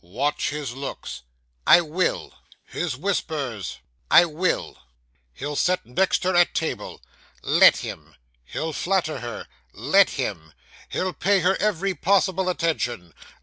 'Watch his looks.' 'I will.' 'His whispers.' 'I will.' 'He'll sit next her at table.' 'Let him.' 'He'll flatter her.' 'Let him.' 'He'll pay her every possible attention.